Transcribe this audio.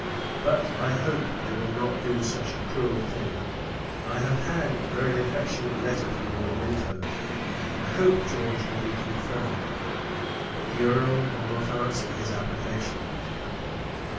But, I hope, they will not do such a cruel thing. I have had a very affectionate letter from Lord Minto. I hope George will be confirmed; but, the Earl will not answer his application.